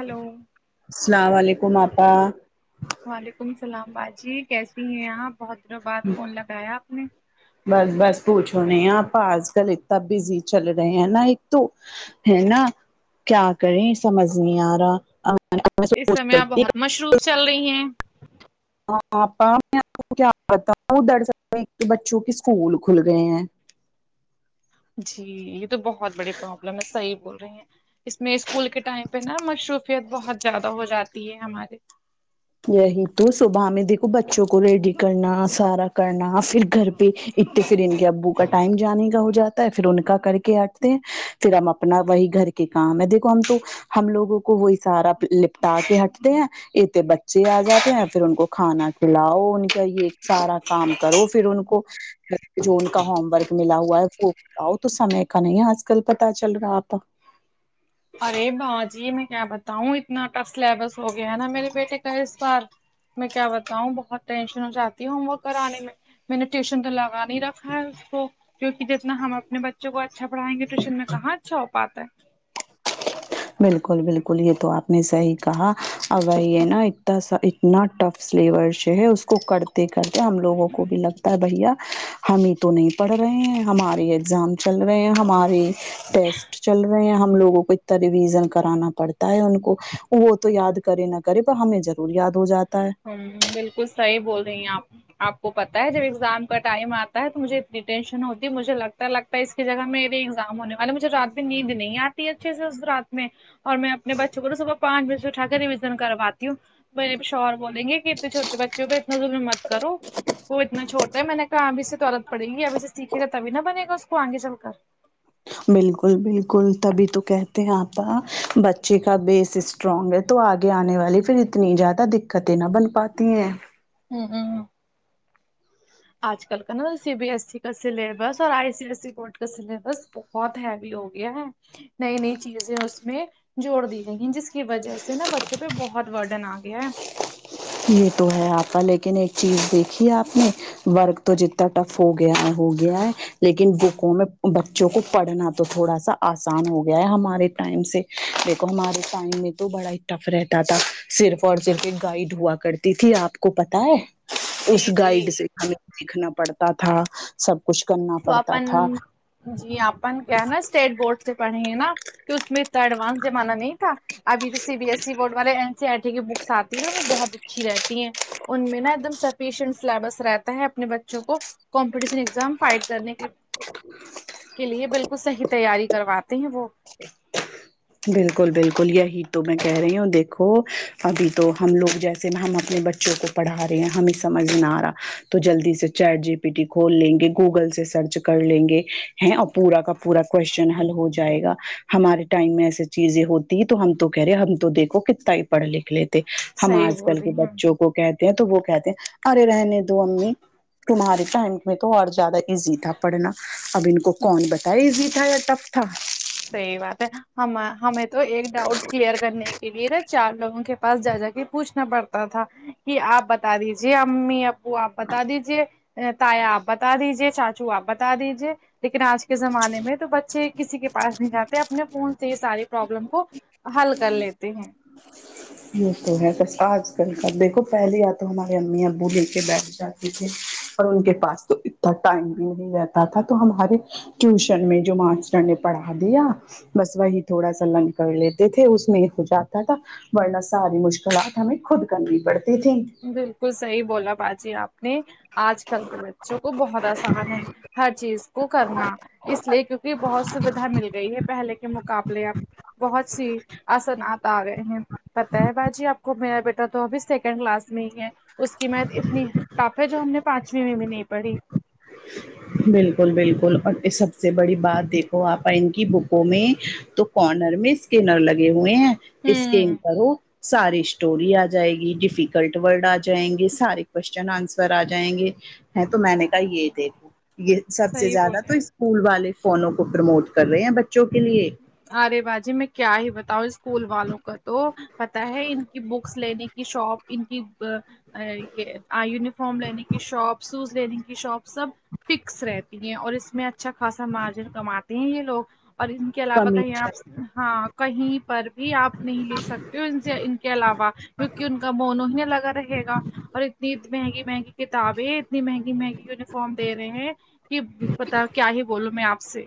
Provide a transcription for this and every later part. hello السلام علیکم آپا وعلیکم اسلام باجی کیسی ہیں آپ بہت دنوں بعد فون لگایا آپ نے بس بس پوچھو نہیں آپا آج کل اتنا بزی چل رہے ہیں نا ایک تو ہے نا کیا کریں سمجھ نہیں آ رہا میں اس سوچ سمے رہی آپ تھی بہت کہ مشروف چل رہی ہیں آپ میںپ کیا [unintelligible] پتا وہ او [unintelligible] در سکتا بچوں کے اسکول کھل گئے ہیں جی یہ تو بہت بڑی پرابلم ہے صحیح بول رہی ہیں اس میں اسکول کے ٹائم پہ نا مشروفیت بہت زیادہ ہو جاتی ہے ہمارے یہی تو صبح میں دیکھو بچوں کو ریڈی کرنا سارا کرنا پھر گھر پہ اتے پھر ان کے ابو کا ٹائم جانے کا ہو جاتا ہے پھر ان کا کر کے ہٹتے ہیں پھر ہم اپنا وہی گھر کے کام ہے دیکھو ہم تو ہم لوگوں کو وہ اشارہ لپٹا کے ہٹتے ہیں یہ تو بچے چے آ جاتے ہیں پھر ان کو کھانا کھلاؤ ان کا یہ سارا کام کرو پھر ان کو جو ان کا ہوم ورک ملا ہوا ہے وہ آؤ تو سمے کا نہیں آج کل پتا چل رہا آپا ارے باجی میں کیا بتاؤں اتنا ٹف سلیبس ہو گیا نا میرے بیٹے کا اس بار میں کیا بتاؤں بہت ٹینشن ہو جاتی ہے ہوم ورک کرانے میں میں نے ٹیوشن تو لگا نہیں رکھا ہے اس کو کیونکہ جتنا ہم اپنے بچوں کو اچھا پڑھائیں گے ٹیوشن میں کہاں اچھا ہو پاتا ہے بالکل بالکل یہ تو آپ نے صحیح کہا اگر یہ نا اتنا سا اتنا ٹف سلیبرش ہے اس کو کرتے کرتے ہم لوگوں کو بھی لگتا ہے بھیا ہمیں تو نہیں پڑھ رہے ہیں ہمارے اگزام چل رہے ہیں ہمارے ٹیسٹ چل رہے ہیں ہم لوگوں کو اتنا ریویزن کرانا پڑتا ہے ان کو وہ تو یاد کرے نہ کرے پر ہمیں ضرور یاد ہو جاتا ہے ہمم بالکل صحیح بول رہی ہیں آپ آپ کو پتا ہے جب ایگزام کا ٹائم آتا ہے تو مجھے اتنی ٹینشن ہوتی ہے مجھے لگتا اس کی جگہ میری ایگزام ہونے والے مجھے رات میں نیند نہیں آتی ہے اچھے سے اس رات میں اور میں اپنے بچوں کو نا صبح پانچ بجے سے اٹھا کے ریویزن کرواتی ہوں [unintelligible] شوہر بولیں گے کہ اتنے چھوٹے بچوں پہ اتنا ظلم مت کرو وہ اتنا چھوٹا ہے میں نے کھا ابھی سے عادت پڑے گی ابھی سے سیکھے گاتبھی نہ بنے گا اس کو آگے چل کر بالکل بالکل تبھی تو کہتے ہیں اپا بچے کا بیس اسٹرانگ ہے تو آگے آنے والی پھر اتنی زیادہ دقتیں نہ بن پاتی ہیں ہوں آج کل کا نا سی بی ایس س کا سلیبس اور I C I S C board کا سلیبس بہت ہیوی ہو گیا ہے نئی نئی چیزیں اس میں جوڑ دی گئی ہیں جس کی وجہ سے نا بچوں پہ بہت ورڈن آ گیا ہے یہ تو ہے اپا لیکن ایک چیز دیکھی ہے آپ نے ورک تو جتنا ٹف ہو گیا ہے ہو گیا ہے لیکن بکوں میں بچوں کو پڑھنا تو تھوڑا سا آسان ہو گیا ہے ہمارے ٹائم سے دیکھو ہمارے ٹائم میں تو بڑا ہی ٹف رہتا تھا صرف اور صرف گائڈ ہوا کرتی تھی آپ کو پتا ہے اس جی گائڈ جی سے سیکھنا پڑتا تھا سب کچھ کرنا تو پڑتا اپن تھا جی اپن کیا ہے نا اسٹیٹ بورڈ سے پڑھیں ہیں نا تو اس میں اتنا ایڈوانس جمانہ نہیں تھا ابھی جو C B S C board والے این سی آر ٹی کی بکس آتی ہیں نا وہ بہت اچھی رہتی ہیں ان میں نا ایک دم سفیشنٹ سلیبس رہتا ہے اپنے بچوں کو کمپٹیشن ایگزام فائٹ کرنے کے لیے بالکل صحیح تیاری کرواتے ہیں وہ ج بالکل بالکل یہی تو میں کہہ رہی ہوں دیکھو ابھی تو ہم لوگ جیسے ہم اپنے بچ چوں کو پڑھا رہے ہے ہمیں سمجھ میں ا رہا تو جلدی سے چیٹ جی پی ٹی کھول لیں گے گوگل سے سرچ کر لیں گے ہیں اور پورا کا پورا کوشچن حل ہو جائے گا ہمارے ٹائم میں ایسی چیزیں ہوتی تو ہم تو کہہ رہے ہم تو دیکھو کتتا ہی پڑھ لیتے ہم صحیح آج بول کل رہی کے ہیں بچوں کو کہتے ہیں تو وہ کہتے ہیں ارے رہنے دو امی تمہارے ٹائم میں تو اور زیادہ ایزی تھا پڑھنا اب ان کو کون بتاے ایزی تھا یا ٹف تھا صحیح بات ہے ہم ہمیں تو ایک ڈاؤٹ کلیئر کرنے کے لیے چار لوگوں کے پاس جا جا کے پوچھنا پڑتا تھا کہ آپ بتا دیجیے امی اب و آپ بتا دیجے تایا آپ بتا دیجے چاچو آپ بتا دیجے لیکن آج کے زمانے میں تو بچے کسی کے پاس نہیں جاتے اپنے فون سے یہ ساری پرابلم کو حل کر لیتے ہیں یہ تو ہے بس آج کل کا دیکھو پہلے یا تو ہمارے امی ابو لے کے بیٹھ جاتے اور ان کے پاس تو اتنا ٹائم بھی نہیں رہتا تھا تو ہمارے ٹیوشن میں جو ماسٹر نے پڑھا دیا بس وہی تھوڑا سا لرن کر لیتے تھے اس میں ہو جاتا تھا ورنہ ساری مشکلات ہمیں خود کرنی پڑتی تھیں بالکل صحیح بولا باجی آپ اپنے آج کل کے بچوں کو بہت آسان ہے ہر چیز کو کرنا اس لیے کیونکہ بہت سویدھا مل گئی ہے پہلے کے مقابلے اب بہت سی اثرات آ گئے ہیں پتا ہے باجی آپ کو میرا بیٹا تو ابھی سیکنڈ کلاس نہیں ہے اس کی میں اتنی ٹاپ ہے جو ہم نے پانچویں میں بھی نہیں پڑھی بالکل بالکل اور سب سے بڑی بات دیکھو آپ ان کی بکوں میں تو کارنر میں اسکینر لگے ہوئے ہیں اسکین ہوں کرو ساری اسٹوری آ جائے گی ڈیفیکلٹ ورڈ آ جائیں گے سارے کوشچن آنسر آ جائیں گے میں تو میں نے کہا یہ دیکھ یہ سب سے صحیح زیادہ تو بولے اسکول والے فونوں کو پروموٹ کر رہے ہیں بچوں کے لیے ارے باجی میں کیا ہی بتاؤ اسکول والوں کا تو پتاہ ہے ان کی بکس لینے کی شاپ ان کی یہ یونیفارم لینے کی شاپ سوز لینے کی شاپ سب فکس رہتی ہیں اور اس میں اچھا خاصا مارجن کماتے ہیں یہ لوگ اور کے علاوہ کہیں کمیشن آپ ہاں کہیں پر بھی آپ نہیں لے سکتے ہو سے ان کے علاوہ کیونکہ ان کا مون ہی لگا رہے گا اور اتنی مہنگی مہنگی کتابیں اتنی مہنگی مہنگی یونیفارم دے رہے ہیں کہ پتا کیا ہی بولو میں آپ سے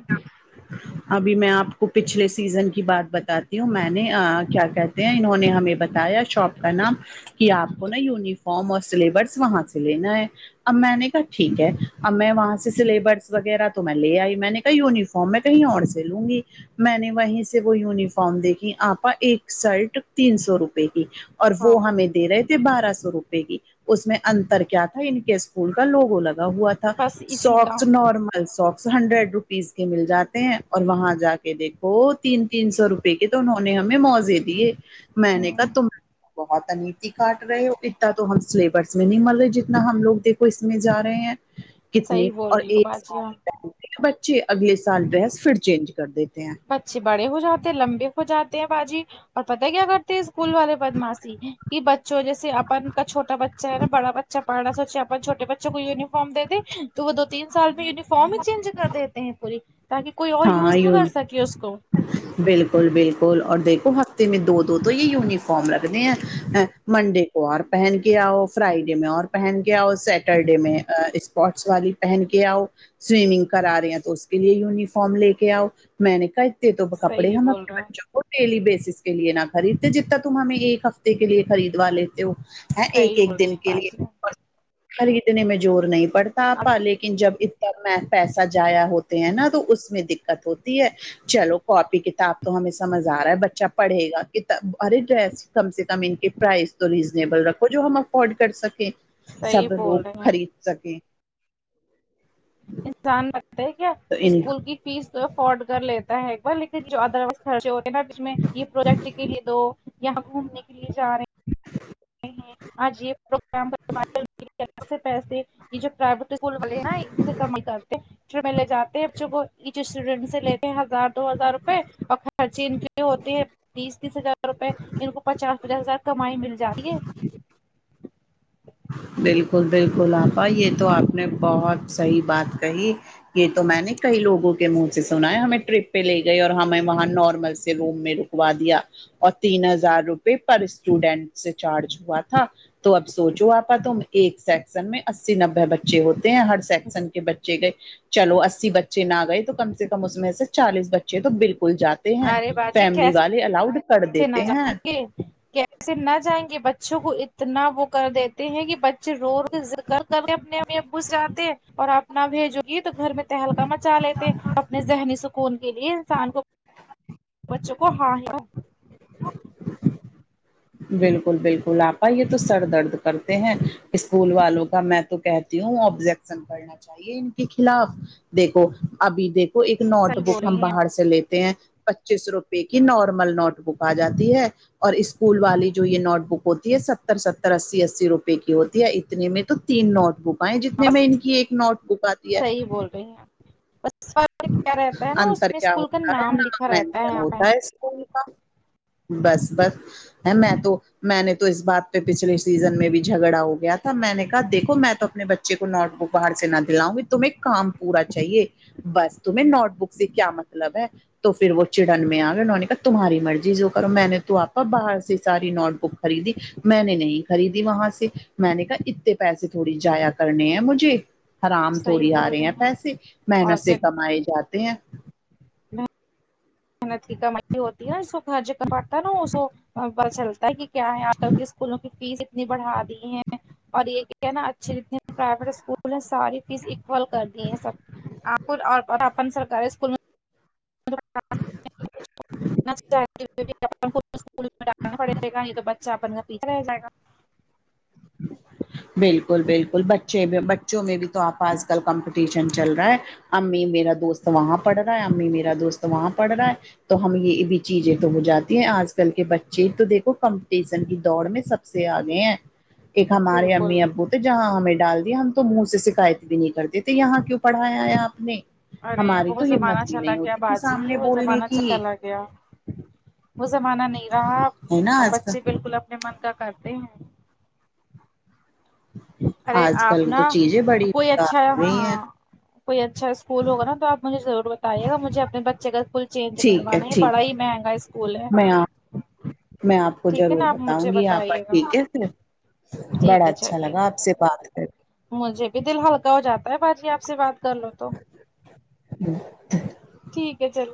ابھی میں آپ کو پچھلے سیزن کی بات بتاتی ہوں میں نے کیا کہتے ہیں انہوں نے ہمیں بتایا شاپ کا نام کہ آپ کو نا یونیفارم اور سلیبس وہاں سے لینا ہے اب میں نے کہا ٹھیک ہے اب میں وہاں سے سلیبس وغیرہ تو میں لے آئی میں نے کہا یونیفارم میں کہیں اور سے لوں گی میں نے وہیں سے وہ یونیفارم دیکھی آپا ایک سرٹ تین سو روپے کی اور ہاں وہ ہمیں دے رہے تھے بارہ سو روپئے کی اس میں انتر کیا تھا ان کیس اسکول کا لوگو لگا ہوا تھا بس اسی کا six normal socks hundred rupees کے مل جاتے ہیں اور وہاں جا کے دیکھو تین تین سو روپئے کے تو انہوں نے ہمیں موزے دیے میں ہ نے کہا تم بہت انیتی کاٹ رہے ہو تو ہم سلیبس میں نہیں مل رہے جتنا ہم لوگ دیکھو اس میں جا رہے ہیں کتنے صحیح بول اور رہی ہو ایک باجی ہاں سال بچے اگلے سال ڈریس پھر چینج کر دیتے ہیں بچے بڑے ہو جاتے ہیں لمبے ہو جاتے ہیں باجی اور پتہ کیا اگر اسکول والے بدماش کہ بچوں جیسے اپن کا چھوٹا بچا ہے نا بڑا بچا پڑھا سوچ چھٹے بچوں کو ینیفارم دے تو وہ دو تین سال میں یوفا فارم چینج کر دیتے ہیں پوری تاکہ کوئی اور ہاں یوز نہ کر یون سکے اس کو بالکل بالکل اور دیکھو ہفتے میں دو دو تو یہ یونیفارم رگتے ہیں آ منڈے اور پہن کے آؤ فرائیڈے میں اور پہن کے آؤ سیٹرڈے میں اسپٹس والی پہن کے آؤ سوئمنگ کرا رہے ہیں تو اس کے لیے ینیفار فارم لے کے آؤ میں نے کہا اتے تو کپڑے صحیح ہم بول رہے اپنے ہیں بچوں وہ ڈیلی بیسس کے لیے نہ خریدتے جتنا تم ہمیں ایک ہفتے کے لیے خریدوا لیتے ہو ہاں ایک صحیح بول ایک رہے دن ہیں کے لیے باجی خریدنے میں زور نہیں پڑتا آپا آپ لے کن جب اتنا میں پیسہ جایا ہوتے ہیں نا تو اس میں دقت ہوتی ہے چلو کاپی کتاب تو ہمیں سمجھ آرہا ہے بچہ پڑھے گا کتاب ار ڈریس کم سے کم ان کے پرائز تو ریزنیبل رکھو جو ہم افورڈ کر سکیں صحیح سب لوگ بول رہے ہیں خرید سکے انسان رکتا ہے کیا تو ان اسکول کی فیس تو افورڈ کر لی تا ہے ایک بار لیکن جو ادر وائز خرچے ہوتے ہیں نا اس میں یہ پروجیکٹ کے لیے دو یہاں گھومنے کے لیے جا رے آج یہ پروگرام پر [inaudible] سے پیسے یہ جو پرویٹ اسکول والے ہیں نا ان سے کمائی کرتے ٹریپ میں لے جاتے ہے بچو کو ایچ اسٹوڈنٹ سے لیتے ہیں ہزار دو ہزار روپئے اور خرچے ان کے لیے ہوتے ہیں بیس تیس ہزار روپے ان کو پچاس پچاس ہزار کمائی مل جاتی ہے بالکل بالکل آپا یہ تو آپ نے بہت صحیح بات کہی یہ تو میں نے کئی لوگوں کے منہ سے سنا ہے ہمیں ٹریپ پہ لے گئی اور ہمیں وہاں نارمل سے روم میں رکوا دیا اور تین ہزار روپئے پر اسٹوڈنٹ سے چارج ہوا تھا تو اب سونچو آپ پر تم ایک سیکسن میں اسی نوے بچے ہوتے ہیں ہر سیکشن کے بچے گئے چلو اسی بچے نہ گئے تو کم سے کم اس میں سے چالیس بچے تو بالکل جاتے ہیں فیملی والے الاؤڈ کر بچے نہ دیتے جائیں ہیں گے کیسے نہ جائیں گے بچوں کو اتنا وہ کر دیتے ہیں کہ بچ یہ ر ذکر کر کے اپنے امی ابو سے آتے ہیں اور اپ نہ بھیجو یہ تو گھر میں تہلکا مچا لیتے اپنے ذہنی سو کون کے لیے انسان کو بچوں کو ہاں ہی بالکل بالکل آپا یہ تو سر درد کرتے ہیں اسکول والوں کا میں تو کہت ی ہوں آبجیکشن کرنا چاہیے ان کے خلاف دیکھو ابھی دیکھو کو ایک نوٹ صحیح بک بول رہی ہم ہیں باہر سے لیتے ہیں پچیس روپے کی نارمل نوٹ بک آجاتی ہے اور اس اسکول والی جو یہ نوٹ بک ہوتی ہے ستر ستر اسی اسی روپئے کی ہوتی ہے اتنے میں تو تین نوٹ بک اۓ آپ جتنے بس میں ان کی ایک نوٹ بک آتی ہے صحیح بول رہی ہیں اپ [unintelligible] کیا رہتا ہے نا اس انتر میں کیا اسکول کا ہوتا ہے نام لکھا رہتا ہے مینشن یہاں پہ ہوتا اسکول کا بس بس ہں میں تو میں نے تو اس بات پہ پچھلے سیزن میں بھی جھگڑا ہو گیا تھا میں نے کہا دیکھو میں تو اپنے بچے کو نوٹ بک باہر سے نہ دلاؤں گی تمہیں کام پورا چاہیے بس تمہیں نوٹ بک سے کیا مطلب ہے تو پھر وہ چڑن میں آ گئے انہوں نے کہا تمہاری مرضی جو کرو میں نے تو آپا باہر سے ساری نوٹ بک خریدی میں نے نہیں خریدی وہاں سے میں نے کہا اتتے پیسے تھوڑی جایا کرنے ہیں مجھے حرام صحیح تھوڑی آ بول رہے ہیں رہی پیسے اور محنت سے کیا کمائے جاتے ہیں محنت کی کمائی ہوتی ہے نہ اس کو ہر جگہ [unintelligible] [unintelligible] کیا ہے آج کل کے اسکولوں کی فیس اتنی بڑھا دی ہیں اور یہ نا اچھی اتنی پرائیویٹ اسکول انلان ساری فیس اکول کر دی ہے سب آپ اور اپن سرکاری اسکول میں [inaudible] [unintelligible] بالکل بالکل بچے بھی بچوں میں بھی تو آپ آج کل کمپٹیشن چل رہا ہے امی میرا دوست وہاں پڑھ رہا ہے امی میرا دوست وہاں پڑھ رہا ہے تو ہم یہ بھی چیزیں تو ہو جاتی ہیں آج کل کے بچے تو دیکھو کمپٹیشن کی دوڑ میں سب سے آگئے ہیں ایک ہمارے بالکل امی ابو تو جہاں ہمیں ڈال دیا ہم تو منہ سے شکایت بھی نہیں کرتے تھے یہاں کیوں پڑھایا ہے آپ نے ارے ہماری وہ تو زمانہ ہمت بھی چلا نہیں گیا ہوتی تھی باجی سامنے وہ بولنے جمانہ کی چلا گیا وہ زمانہ نہیں رہا اب ہے نا اب آج کل بچے بالکل اپنے من کا کرتے ہیں ارے آج آپ کل نا تو چیزیں بڑی کوئی بکار اچھا ہو رہی ہیں ہاں کوئی اچھا اسکول ہوگا نہ تو آپ مجھے ضرور بتائیے گا مجھے اپنے بچے کا اسکول چینج ٹھیک کروانا ہے یہ ٹھیک بڑا ہی مہنگا اسکول ہے میں آپ میں آپ کو ٹھیک ہے ضرور نا آپ مجھے بتاؤں گی آپا بتائیے گا ٹھیک ہے پھر ٹھیک بڑا ہے اچھا چلیے لگا آپ سے بات کر مجھے بھی دل ہلکا ہو جاتا ہے باجی آپ سے بات کر لو تو ٹھیک ہے چل